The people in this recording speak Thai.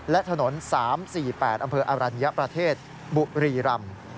และถนน๓๔๘อำเภออรัญญประเทศบุรีรำ